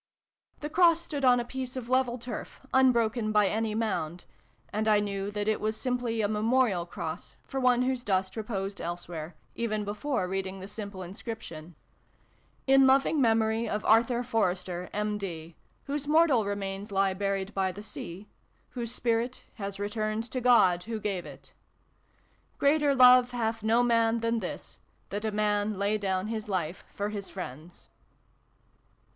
xix] A FAIRY DUET. 289 The cross stood on a piece of level turf, un broken by any mound, and I knew that it was simply a memorial cross, for one whose dust reposed elsewhere, even before reading the simple inscription : In loving Memory of ARTHUR FORESTER, M.D. whose mortal remains lie buried by the sea : whose spirit has returned to God who gave it. "reater lobe fyatfj no man tfjan tfjts, tfyat a man lag iofon tys life for fjis friends."